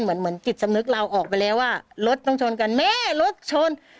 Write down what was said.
เหมือนจิตสำนึกเราออกไปแล้วว่ารถต้องชนกันแม่รถชน